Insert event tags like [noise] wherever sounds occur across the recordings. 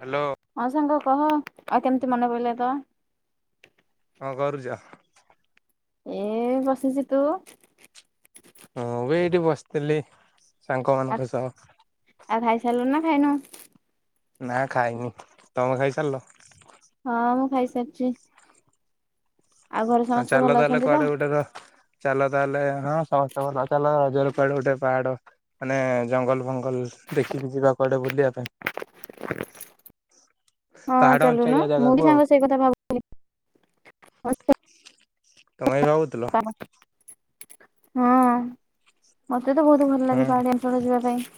Hello. ହଁ ସାଙ୍ଗ କହ ଆଉ କେମିତି ମନେ ପଇଲା ତ। କଣ କରୁଛ। ଏଇ ବସିଚି ତୁ। ହଁ ବେ ଏଇଠି ବସିଥିଲି ଆ ସାଙ୍ଗମାନଙ୍କ ସହ। ଆଉ ଖାଇ ସାରିଲୁ ନା ଖାଇନୁ। ନା ଖାଇନି ତମେ ଖାଇସାରିଲ। ହଁ ମୁଁ ଖାଇସାରିଛି। ଘରେ ଆଉ ସମସ୍ତେ ଚାଲ ଭଲ ତାହେଲେ ଅଛନ୍ତି ତ କୁଆଡେ ଗୁଟେ କ ଚାଲ ତାହେଲେ ହଁ ସମସ୍ତଙ୍କୁ ନବା ଚାଲ ରଜରେ କୁଆଡେ ଗୋଟେ ପାହାଡ। ମାନେ ଜଙ୍ଗଲ ଫଙ୍ଗଲ ଦେଖିକି ଯିବା କୁଆଡେ ବୁଲିବା ପାଇଁ। ହଁ ପାହାଡ ଚାଲୁନୁ ଅଞ୍ଚାଳିଆ ମୁଁ ଜାଗାକୁ ବି ଆଉ। ସାଙ୍ଗ ସେଇ କଥା ଭାବୁଥିଲି। ତମେ ବି ଭାବୁଥିଲ। ହଁ ମତେ ତ ବହୁତ ଭଲ ଲାଗେ ହୁଁ ପାହାଡିଆ ଅଞ୍ଚଳ କୁ ଯିବା ପାଇଁ।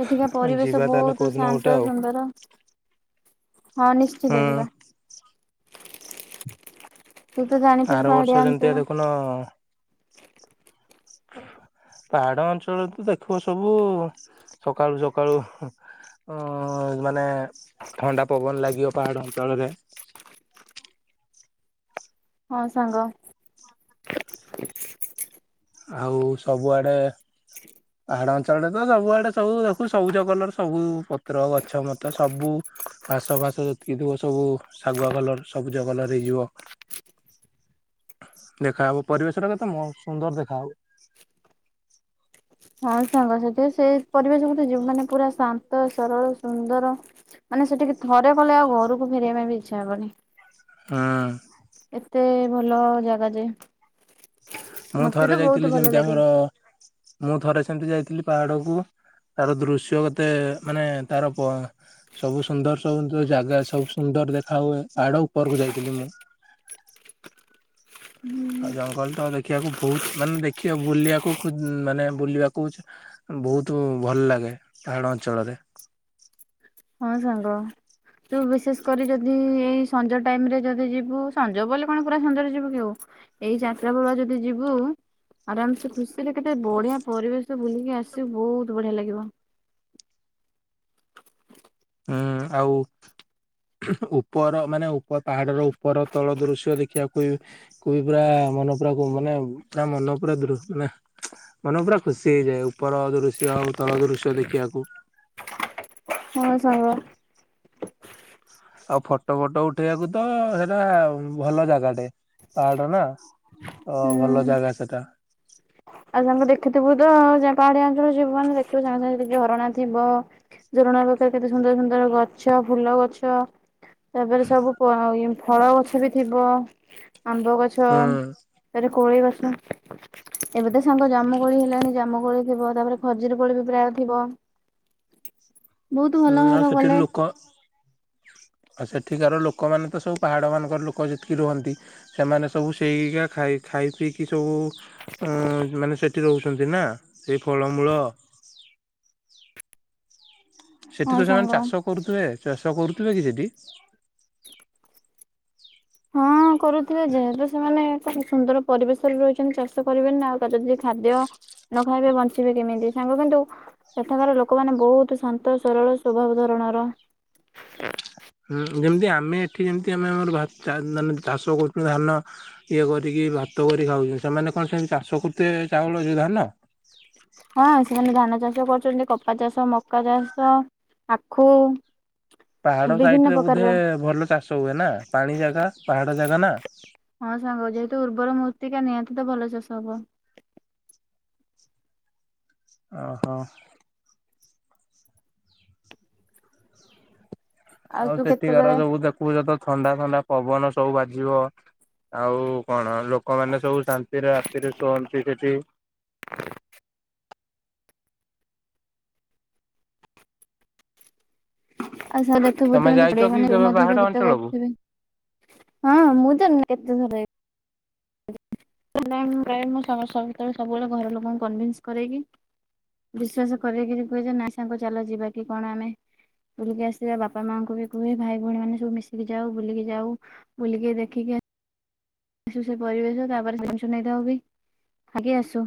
ସେଠିକା ପରିବେଶ ଯିବା ତାହେଲେ ବହୁତ କୋଉଦିନ ଗୋଟେ ଶାନ୍ତ ଆଉ ସୁନ୍ଦର ହଁ ହୁଁ। ନିଶ୍ଚିତ ଯିବା। ତୁ ତ ଜାଣିଥିବୁ ପାହାଡିଆ ଅଞ୍ଚଳ। ନାଁ। ପାହାଡ ଅଞ୍ଚଳରେ ତ ଦେଖିବ ସବୁ ସକାଳୁ ସକାଳୁ ହୁଁ। ହଁ ମାନେ ଥଣ୍ଡା ପବନ ଲାଗିବ ପାହାଡ଼ ଅଞ୍ଚଳରେ। ହଁ ସାଙ୍ଗ। ଆଉ ସବୁଆଡ଼େ। ପାହାଡ ଅଞ୍ଚଳରେ ତ ସବୁଆଡେ ସବୁ ଦେଖିବୁ ସବୁଜ କଲର ସବୁ ପତ୍ର ଗଛ ମଛ ସବୁ। ଘାସ ଫାସ ଯେତିକି ଥିବ ସବୁ ଶାଗୁଆ କଲର ସବୁଜ କଲର ହେଇଯିବ। ଦେଖାହବ ପରିବେଶ ଟା କେତେ ମ ସୁନ୍ଦର ଦେଖାହବ। ହଁ ସାଙ୍ଗ ସେଇଥି ପାଇଁ ସେ ପରିବେଶକୁ ତୁ ଯିବୁ ମାନେ ପୁରା ଶାନ୍ତ ସରଳ। ସୁନ୍ଦର ମାନେ ସେଠିକି ଥରେ ଗଲେ ଆଉ ଘରୁକୁ ଫେରିଆ ପାଇଁ ବି ଇଚ୍ଛା ହବନି। ହୁଁ। ଏତେ ଭଲ ଜାଗା ଯେ। ମୁଁ ମତେ ତ ଥରେ ବହୁତ ଯାଇଥିଲି ଭଲ ସେମିତି ଲାଗେ। ଆମର ମୁଁ ଥରେ ସେମିତି ଯାଇଥିଲି ପାହାଡ଼କୁୁ ତାର ଦୃଶ୍ୟ କେତେ ମାନେ ତାର ପ ସବୁ ସୁନ୍ଦର ସବୁ [unintelligible] ଜାଗା ସବୁ ସୁନ୍ଦର ଦେଖା ହୁଏ ପାହାଡ଼ ଉପରକୁ ଯାଇଥିଲି ମୁଁ। ଆଉ ଜଙ୍ଗଲତ ଦେଖିଆକୁ ଭୋଉତ୍ ମାନେ ଦେଖିଆ ବୁଲିଆକୁ କୁ ଉଁ ମାନେ ବୁଲିବାକୁ ବୋହୁତୁ ଭଲ ଲାଗେ ପାହାଡ଼ ଅଞ୍ଚଳରେ। ହଁ ସାଙ୍ଗ। ତୁ ବିଶେଷ କରି ଯଦି ଏଇ ସଞ୍ଜ ଟାଇମରେ ଯଦି ଯିବୁ ସଞ୍ଜ ବୋଲି କଣ ପୁରା ସଞ୍ଜରେ ଯିବୁକି ଆଉ ଏଇ ଚାରିଟା ବଳୁଆ ଯଦି ଯିବୁ ଆରାମସେ ଖୁସିରେ କେତେ ବଢ଼ିଆ ପରିବେଶ ବୁଲିକି ଆସିବୁ ବୋହୁତ୍ ବଢ଼ିଆ ଲାଗିବ। ହୁଁଉଁ ଆଉ ଉଁ ହୁଁ ଉପର ମାନେ ଉପ ପାହାଡ଼ର ଉପର ତଳ ଦୃଶ୍ୟ ଦେଖିବାକୁ କୁଇଁ ପୁରା ମନ ପୁରାକୁ ମାନେ ପୁରା ମନ ପୁରା ଦୃ ନା ମନ ପୁରା ଖୁସି ହେଇଯାଏ ଉପର ଦୃଶ୍ୟ ଆଉ ତଳ ଦୃଶ୍ୟ ଦେଖିଆକୁ। ହଁ ସାଙ୍ଗ। ଆଉ ଫଟୋ ଫଟୋ ଉଠେଇଆକୁତ ସେଟା ଭଲ ଜାଗାଟେ ପାହାଡ଼ନା। ଅଁ ଭଲ ହୁଁ। ଜାଗା ସେଟା। ଆଉ ସାଙ୍ଗ ଦେଖିଥିବୁତ ଯା ପାହାଡ଼ିଆ ଅଞ୍ଚଳ ଯିବୁ ମାନେ ଦେଖିବୁ ସାଙ୍ଗେ ସାଙ୍ଗେ ସେଠି ଝରଣା ଥିବ। ଝରଣା ପାଖେରେ କେତେ ସୁନ୍ଦର ସୁନ୍ଦର ଗଛ ଫୁଲ ଗଛ ତାପେରେ ସବୁ ପ ଇଏ ଫଳ ଗଛବି ଥିବ ଆମ୍ବ ଗଛ ହୁଁ ତାରେ କୋଳି ଗଛ ଏବେତ ସାଙ୍ଗ ଜାମୁ କୋଳି ହେଲାଣି ଜାମୁ କୋଳି ଥିବ ତାପରେ ଖଜିରୀ କୋଳିବି ପ୍ରାୟେ ଥିବ। ବହୁତ ଭଲ ହୁଁ ଆଉ ହବ ଗଲେ ସେଠିରି ଲୋକ ଆଉ ସେଠିକାର ଲୋକମାନେତ ସବୁ ପାହାଡ଼ମାନଙ୍କରେ ଲୋକ ଯେତିକି ରୁହନ୍ତି। ସେମାନେ ସବୁ ସେଇକା ଖାଇ ଖାଇ ପିଇକି ସବୁ ଉଁ ମାନେ ସେଠି ରହୁଚନ୍ତିନା ସେଇ ଫଳମୂଳ ହଁ ସେଠିତ ସେମାନେ ସାଙ୍ଗ। ଚାଷ କରୁଥିବେ ଚାଷ କରୁଥିବେକି ସେଠି? ହଁ [inaudible] କରୁଥିବେ ଯେହେତୁ ସେମାନେ ଏକ ସୁନ୍ଦର ପରିବେଶରେ ରହିଚନ୍ତି ଚାଷ କରିବେନିନା ଆଉ କାଯଦି ଖାଦ୍ୟ ନ ଖାଇବେ ବଞ୍ଚିବେ କେମିତି ସାଙ୍ଗ କିନ୍ତୁ ସେଠାକାର ଲୋକମାନେ ବୋହୁତ୍ ଶାନ୍ତ ସରଳ ସ୍ୱଭାବ ଧରଣର। [inaudible] ହୁଁ ଯେମତି ଆମେ ଏଠି ଯେମିତି ଆମେ ଆମର ଭା ଚା ମାନେ ଚାଷ କରୁଚୁ ଧାନ ଇଏ କରିକି ଭାତ କରିକି ଖାଉଚୁ ସେମାନେ କଣ ସେମିତି ଚାଷ କରଥୁବେ ଚାଉଳ ସେଧାନ? ହଁ ସେମାନେ ଧାନ ଚାଷ କରୁଚନ୍ତି କପା ଚାଷ ମକା ଚାଷ ଆଖୁ ପାହାଡ଼ ବିଭିନ୍ନ ସାଇଟରେ ପ୍ରକାରର ବୋଧେ ଭଲ ଚାଷ ହୁଏନା ପାଣି ଜାଗା ପାହାଡ଼ ଜାଗାନା। ହଁ ସାଙ୍ଗ ଯେହେତୁ ଉର୍ବର ମୂର୍ତ୍ତିକା ନିହାତିତ ଭଲ ଚାଷ ହବ। ଓହୋ। ଆଉ ତୁ ସେଠିକାର କେତେବେଳେ ସବୁ ଦେ ଖୁଚତ ଥଣ୍ଡା ଥଣ୍ଡା ପବନ ସବୁ ବାଜିବ ଆଉ କଣ ଲୋକମାନେ ସବୁ ଶାନ୍ତିରେ ରାତିରେ ଶୁଅନ୍ତି ସେଠି ଆଉସାଙ୍ଗ ଦେଖିବୁ ତମେ କେମିତି ଯାଇଛ ଚଡ଼େଇ କି ମାନେ କେବେ ପାହାଡ [unintelligible] ଗୀତ ଅଞ୍ଚଳକୁ? ଗାଉଥିବେ। ହଁ ମୁଁତ [unintelligible] କେତେ ଥର [unintelligible] [unintelligible] ସମସ୍ତଙ୍କୁ ସେତେବେଳେ ସବୁବେଳେ ଘର ଲୋକଙ୍କୁ କନନ୍ସ କରେଇକି ବିଶ୍ଵାସ କରିକିରି କୁହେଯେ ନାସାଙ୍ଗ ଚାଲ ଯିବା କି କଣ ଆମେ। ବୁଲିକି ଆସିବା ବାପା ମାଆଙ୍କୁବି କୁହେ ଭାଇ ଭଉଣୀ ମାନେ ସବୁ ମିଶିକି ଯାଉ ବୁଲିକି ଯାଉ ବୁଲିକି ଦେଖିକି ଆ। ଆସୁ ସେ ପରିବେଶ ତାପରେ ଜିନିଷ ନେଇଥାଉ ବି ଆଗି ଆସୁ।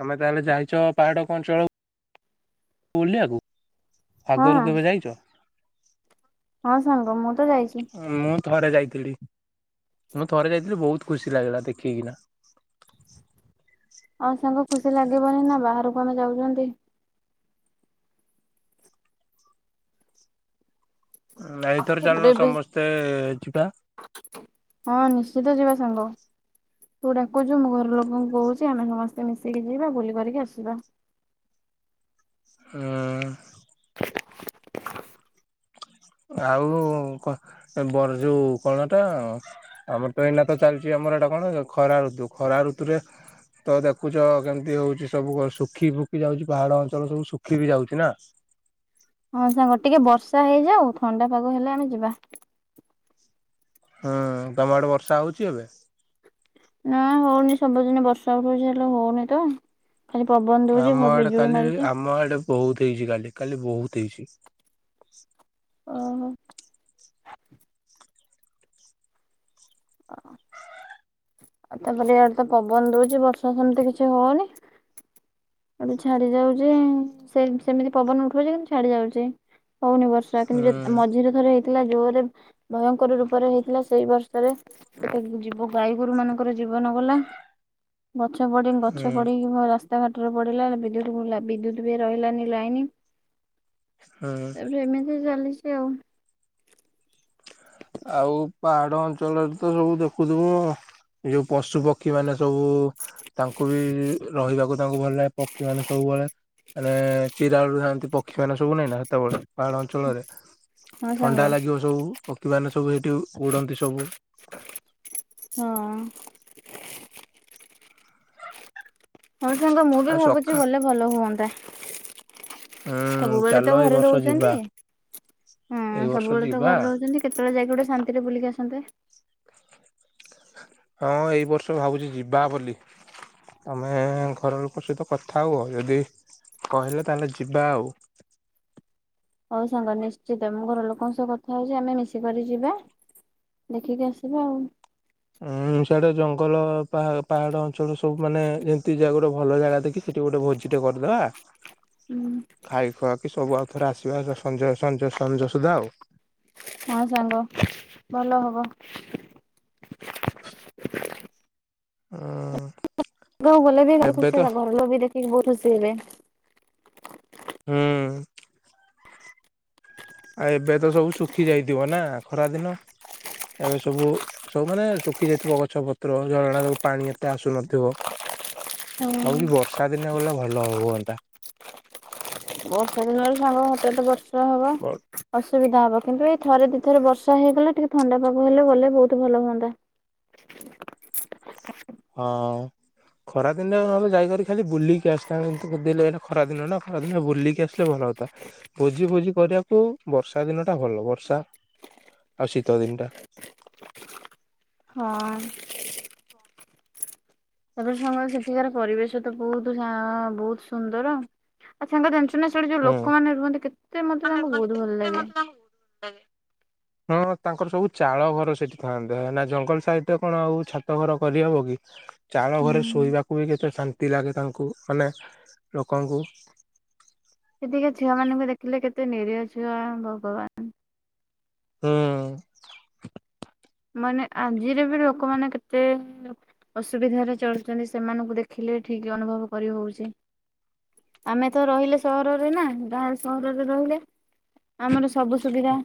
ତମେ ତାହେଲେ ଜାଇଛ ପାହାଡ କ ଅଞ୍ଚଳ ବୁଲିଆକୁ। ହଁ ଆଗରୁ କେବେ ଯାଇଛ। ହଁ ସାଙ୍ଗ ମୁଁ ତ ଯାଇଛି। ମୁଁ ଥରେ ଯାଇଥିଲି ମୁଁ ଥରେ ଯାଇଥିଲି ବହୁତ ଖୁସି ଲାଗିଲା ଦେଖିକିନା। ଆଉ ସାଙ୍ଗ ଖୁସି ଲାଗିବନି ନା ବାହହାରକୁ ଆମେ ଯାଉଛନ୍ତି। ନା ଏଥର ତାପରେ ଚାଲନୁ ଏବେ ସମସ୍ତେ ଯିବା। ହଁ ନିଶ୍ଚିତ ଯିବା ସାଙ୍ଗ। ତୁ ଡାକୁଛୁ ମୁଁ ଘର ଲୋକଙ୍କୁ କହୁଛି ଆମେ ସମସ୍ତେ ମିଶିକି ଯିବା ବୁଲି କରିକି ଆସିବା। ହୁଁ। ଆଉ କଣ ବର ଯୋଉ କଣ ଟା ଆଉ। ଆମର ତ ଏଇନା ତ ଚାଲିଛି ଆମର ଏଟା କଣ ଖରା ଋତୁ ଖରା ଋତୁରେ ତ ଦେଖୁଛ କେମିତି ହଉଛି ସବୁ ଶୁଖି ଫୁଖି ଯାଉଛି ପାହାଡ ଅଞ୍ଚଳ ସବୁ ଶୁଖି ବି ଯାଉଛି ନା। ହଁ ସାଙ୍ଗ ଟିକେ ବର୍ଷା ହେଇଯାଉ ଥଣ୍ଡା ପାଗ ହେଲେ ଆମେ ଯିବା। ହଁ ତମ ଆଡେ ବର୍ଷା ହଉଛି ଏବେ। ନା ହଉନି ସବୁଦିନେ ବର୍ଷା ହୁଏ ଯେ ହେଲେ ହଉନି ତ। ଖାଲି ପବନ ଦଉଛି ଭ ବିଜୁଳି ମାରୁଛି। ବହୁତି ଇଜି କାଲି କାଲି ବହୁତ୍ ହେଇଛି। ଓହୋ। ଆଉ ତାପରେ ଇଆଡେ ତ ପବନ ଦଉଛି ବର୍ଷା ସେମିତି କିଛି ହଉନି। ଏଠୁ ଛାଡି ଯାଉଛି ସେ ସେମିତି ପବନ ଉଠଉଛି କିନ୍ତୁ ଛାଡି ଯାଉଛି ହଉନି ବର୍ଷ ପ୍ରାୟ ହୁଁ ତିନି ଯେ ଆମ ମଝିରେ ଥରେ ହେଇଥିଲା ଜୋରେ ଭୟଙ୍କର ରୂପରେ ହେଇଥିଲା ସେଇ ବର୍ଷରେ ଯିବୁ ଗାଈ ଗୋରୁ ମାନଙ୍କର ଜୀବନ ଗଲା ଗଛ ପରି ହୁଁ ଗଛ ପଡିିକି ରା ଏଥର ପିଡିଲା ବିଦ୍ୟୁତ୍ ବଢିଲା ବିଦ୍ୟୁତ ବି ରହିଲାନି ଲାଇନ୍। ହୁଁ ଏବେ ଏମିତି ଚାଲିଛି ଆଉ। ଆଉ ପାହାଡ ଅଞ୍ଚଳରେ ତ ସବୁ ଦେଖୁଥିବୁ ଯୋଉ ପଶୁ ପ ପକ୍ଷୀ ମାନେ ସବୁ ତାଙ୍କୁ ବି ରହିବାକୁ ତାଙ୍କୁ ଭଲ ଲାଗେ ପକ୍ଷୀ ମାନ ସବୁବେଳେ ମାନେ ଚିରାଳୁ ଥାନ୍ତି ପ ପକ୍ଷୀ ମାନେ ସବୁ ନାଇଁନା ହେତବେଳେ ପାହାଡ଼ ଅଞ୍ଚଳରେ ହଁ ସାଙ୍ଗ। ଥଣ୍ଡା ହଁ। ଲାଗିବ ସବୁ ପକ୍ଷୀମାନେ ସବୁ ହେଇଠି ଉଡ଼ନ୍ତି ସବୁ। ହଁ। ହଁ ସାଙ୍ଗ ମୁଁ ବି ଆଉ ଭାବୁଛି ସଖା ଗଲେ ଭଲ ହୁଅନ୍ତା। ହୁଁ ସବୁବେଳେ ଚାଲ ତ ଏଇ ଘରେ ବର୍ଷ ଯିବା ରହୁଛନ୍ତି ଏଇ ହୁଁ ବର୍ଷ ସବୁବେଳେ ତ ଯିବା ଘରେ ରହୁଛନ୍ତି। କେତେବେଳେ ଯାଇକି ଗୋଟେ ଶାନ୍ତିରେ ବୁଲିକି ଆସନ୍ତେ। ହଁ ଏଇ ବର୍ଷ ଭାବୁଛି ଯିବା ବୋଲି। ତମେ ଘର ଲୋକ ସହିତ କଥା ହୁଅ ଯଦି କହିଲେ ତାହେଲେ ଯିବା ଆଉ। ହଉ ସାଙ୍ଗ ନିଶ୍ଚିତ ଘର ଲୋକଙ୍କ ସହ କଥା ହଉଛି ଆମେ ମିଶିକରି ଯିବା। ଦେଖିକି ଆସିବା ଆଉ। ଉଁ ସିଆଡେ ଜଙ୍ଗଲ ପା ପାହାଡ ଅଞ୍ଚଳ ସବୁ ମାନେ ଯେମିତି ଯା ଗୋଟେ ଭଲ ଜାଗା ଦେକି ସେଠି ଗୋଟେ ଭୋଜି ଟେ କରିଦବା। ହୁଁ। ଖାଇ ଖୁଆକି ସବୁ ଆଉ ଥରେ ଆସିବା ସଞ୍ଜ ସଞ୍ଜ ସଞ୍ଜ ସୁଦ୍ଧା ଆଉ। ହଁ ସାଙ୍ଗ ଭଲ ହବ। ହଁ। ଆଉ ଗଲେ ବି ଖାଲି ଖୁସି ହେବା ଘର ଲ ବି ଦେଖିକି ବହୁତ ଖୁସି ହେବେ। ହୁଁ ଆଉ ଏବେ ତ ସବୁ ଶୁଖି ଯାଇଥିବ ନା ଖରା ଦିନ ଏବେ ସବୁ ସବୁ ମାନେ ଶୁଖି ଯାଇଥିବ ଗଛ ପତ୍ର ଝରଣା ଯୋଉ ପାଣି ଏତେ ଆସୁନଥିବ ହଁ। ଭାବୁଛି ବର୍ଷା ଦିନେ ଗଲେ ଭଲ ହୁଅନ୍ତା। ବର୍ଷା ଦିନରେ ସାଙ୍ଗ ହଟାତ ବର୍ଷା ହବ। ଅସୁବିଧା ହବ କିନ୍ତୁ ଏଇ ଥରେ ଦିଇଥର ବର୍ଷା ହେଇଗଲେ ଟିକେ ଥଣ୍ଡା ପାଗ ହେଲେ ଗଲେ ବହୁତ ଭଲ ହୁଅନ୍ତା। ହଁ। ଖରା ଦିନଯାଇକରି ଖାଲି ବୁଲି ଆସିଥାନ୍ତଲେ ଏଇଟ ଖରା ଦିନ ନା ଖରା ଦିନ ବୁଲିକି ଆସି ଭଲ ହତା ଭୋଜି ଭୋଜି କରିବାକୁ ବର୍ଷା ଦିନ ଟା ଭଲ ବର୍ଷା ଆଉ ଶୀତ ଦିନଟା ହଁ। ତାପରେ ସାଙ୍ଗରେ ସେଠିକାର ପରିବେଶ ତ ବହୁତ ସା ବହୁତ ସୁନ୍ଦର ଆଉ ସାଙ୍କ ଦେଞ୍ ଶଳୀ ଯୋଉ ହୁଁ। ଲୋକମାନୋନ ରୁହନ୍ତି କେତେ ମତେ ତାଙ୍କୁ ବହୁତ ଭଲ ଲାଗେ?? ହଁ ତାଙ୍କର ସବୁ ଚାଳ ଘର ସେଠି ଥାନ୍ତତା ନା ଜଙ୍ଗଲ ସାଇଡ ରେ କଣ ଆଉ ଛାତ ଘର କରିହବ କି ଚାଳ ହୁଁ। ଘରେ ଶୋଇବାକୁ ବି କେତେ ଶାନ୍ତି ଲାଗେ ତାଙ୍କୁ ମାନେ ଲୋକଙ୍କୁ। ସେଠିକା ର ଝିଅ ମାନଙ୍କୁ ଦେଖିଲେ କେତେ ନିରୀହ ଝିଅ ଭଗବାନ। ହୁଁ। ମାନେ ଆଜିରେ ବି ଲୋକମାନେ କେତେ ଅସୁବିଧାରେ ଚଳୁଛନ୍ତି ସେମାନଙ୍କୁ ଦେଖିଲେ ଠିକ ଅନୁଭବ କରି ହଉଛି। ଆମେ ତ ରହିଲେ ସହରରେ ନା ଗାଁ ସହରରେ ରହିଲେ। ଆମର ସବୁ ସୁବିଧା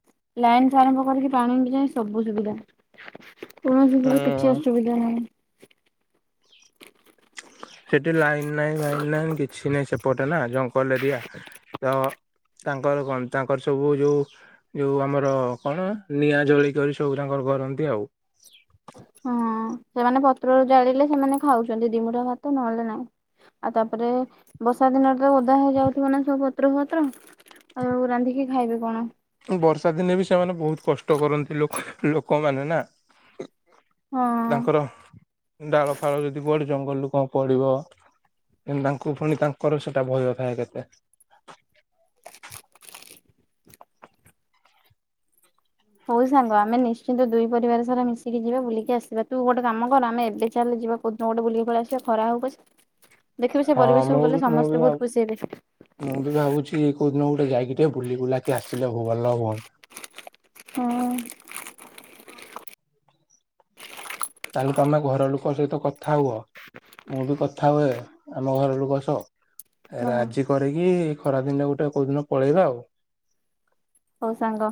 ଲାଇନଠୁ ଆରମ୍ଭ କରିକି ପାଣି ଯାଏ ସବୁ ସୁବିଧା। କୌଣସିର କିଛି ହୁଁ ଅସୁବିଧା ନାହିଁ। ସେଠି ଲାଇନ୍ ନାଇଁ ଭାଇନ୍ ନାଇନ୍ କିଛି ନାହିଁ ସେପଟେ ନା ଜଙ୍ଗଲ ଏରିଆ ତ ତାଙ୍କର ତାଙ୍କର ସବୁ ଯେଉଁ। ଯୋଉ ଆମର କଣ ନିଆଁ ଜଳି କରି ସବୁ ତାଙ୍କର କରନ୍ତି ଆଉ। ହଁ ସେମାନେ ପତ୍ର ଜାଳିଲେ ସେମାନେ ଖାଉଛନ୍ତି ଦିମୁଟା ଭାତ ନହେଲେ ନାଇଁ। ଆଉ ତାପରେ ବର୍ଷା ଦିନଟରେ ଓଦା ହେଇଯାଉଥିବ ନା ସବୁ ପତ୍ର ଫତ୍ର। ଆଉ ରାନ୍ଧିକି ଖାଇବି କଣ। ବର୍ଷା ଦିନେ ବି ସେମାନେ ବହୁତ କଷ୍ଟ କରନ୍ତି ଲୋକମାନେ ନା ହଁ। ତାଙ୍କର ଡାଳ ଫାଳ ଯଦି ବଢ ଜଙ୍ଗଲରୁୁ କଣ ପଡିବ ଏତି ତାଙ୍କୁ ପୁଣି ତାଙ୍କର ସେଟା ଭୟ ଥାଏ କେତେ। ହଉ ସାଙ୍ଗ ଆମେ ନିଶ୍ଚିନ୍ତ ଦୁଇ ପରିବାର ସାରା ମିଶିକି ଯିବା ବୁଲିକି ଆସିବା ତୁ ଗୋଟେ କାମ କର ଆମେ ଏବେ ଚାଲ ଯିବା। କଉଦିନ ଗଟେ ବୁଲିକୁ ଆସିବା ଖରା ହଉପଛେ। ହଁ ମୁଁ ବି ମୁଁ ବି ବହୁତ ଖୁସି ହେବେ। ଭାବ ମୁଁ ବି ଭାବୁଛି କି କଉଦିନ ଗୋଟେ ଯାଇକି ଟିକେ ବୁଲି ବୁଲାକି ଆସିଲେ ବ ଭଲ ହୁଅନ୍ତା। ହଁ। ତାହେଲେ ତମେ ଘର ଲୋକ ସହିତ କଥା ହୁଅ। ମୁଁ ବି କଥା ହୁଏ ଆମ ଘର ଲୋକ ସହ। ହଁ ରାଜି କରିକି ଖରା ଦିନଟା ଗୋଟେ କୋଉ ଦିନ ପଳେଇବା ଆଉ। ହଉ ସାଙ୍ଗ।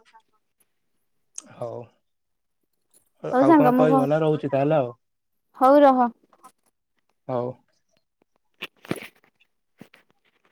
[unintelligible] ହଉ। [unintelligible] ହଉ ଆଉ ସାଙ୍ଗ କଣ ମୁଁ କହିବ ନା ରହୁଛି ତାହେଲେ ଆଉ ହଉ ରହ। ହଉ।